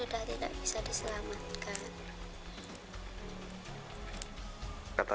sudah tidak bisa diselamatkan